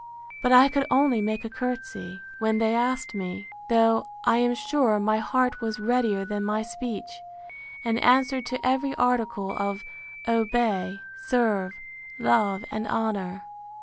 But I could only make a courtesy, when they asked me; though, I am sure, my heart was readier than my speech, and answered to every article of obey, serve, love, and honour.